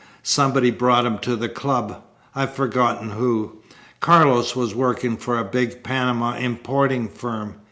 "Somebody brought him to the club. I've forgotten who. Carlos was working for a big Panama importing firm.